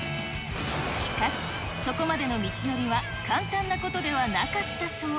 しかし、そこまでの道のりは簡単なことではなかったそう。